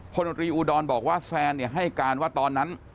นตรีอุดรบอกว่าแซนให้การว่าตอนนั้น